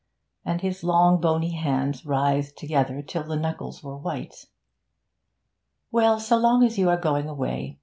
And his long bony hands writhed together till the knuckles were white. 'Well, so long as you are going away.